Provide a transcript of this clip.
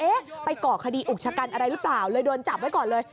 ไปก่อคดีอุกชะกันอะไรหรือเปล่าเลยโดนจับไว้ก่อนเลย